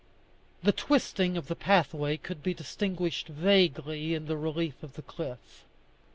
The twisting of the pathway could be distinguished vaguely in the relief of the cliff.